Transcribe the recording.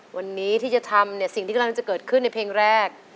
วันนี้ที่จะทำเนี่ยสิ่งที่กำลังจะเกิดขึ้นในเพลงแรก